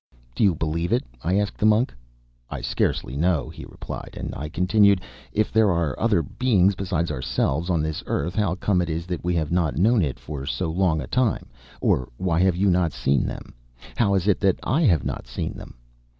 "Do you believe it?" I asked the monk. "I scarcely know," he replied, and I continued: "If there are other beings besides ourselves on this earth, how comes it that we have not known it for so long a time, or why have you not seen them? How is it that I have not seen them?"